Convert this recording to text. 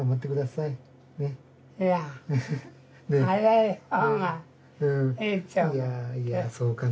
いやいやそうかな。